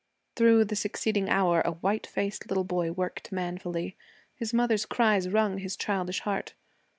Through the succeeding hour a white faced little boy worked manfully. His mother's cries wrung his childish heart.